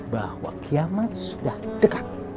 bahwa kiamat sudah dekat